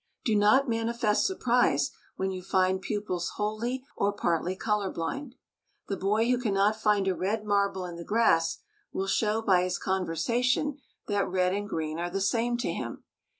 Do not manifest surprise when you find pupils wholly or partly color blind. The boy who cannot find a red marble in the grass will show by his conversation that red and green are the same to him.